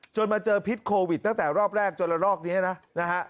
มาเจอพิษโควิดตั้งแต่รอบแรกจนละลอกนี้นะนะฮะ